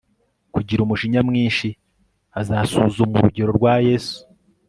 kugira umujinya mwinshi azasuzuma urugero rwa yesu